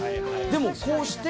でもこうして。